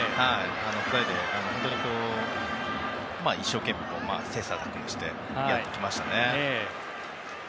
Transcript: ２人で本当に一生懸命切磋琢磨してやってきましたね。